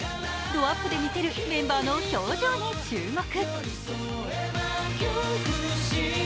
どアップで見せるメンバーの表情に注目。